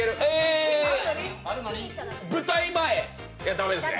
駄目ですね。